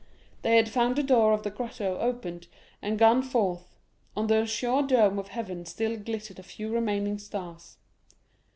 They had found the door of the grotto opened, and gone forth; on the azure dome of heaven still glittered a few remaining stars.